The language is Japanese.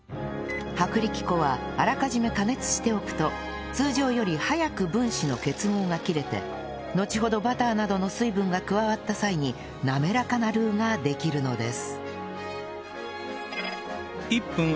薄力粉はあらかじめ加熱しておくと通常より早く分子の結合が切れてのちほどバターなどの水分が加わった際に滑らかなルーができるのです